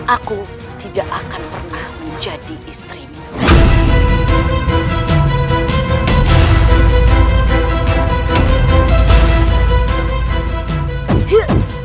aku tidak akan pernah menjadi istrimu